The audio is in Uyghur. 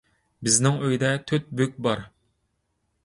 بىزنىڭ ئۆيدە تۆت بۆك بار.